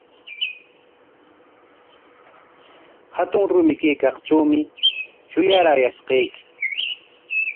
Hatun rumi kaykaqtrawmi shuyarashqayki.